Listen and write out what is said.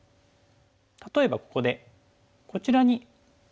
例えばここでこちらにトブ手。